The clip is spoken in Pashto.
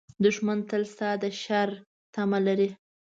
دښمن تل ستا د شر تمه لري